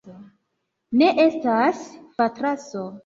Ne estas fatraso.